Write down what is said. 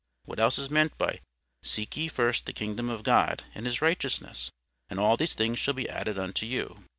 What else is meant by 'Seek ye first the kingdom of God and his righteousness, and all these things shall be added unto you?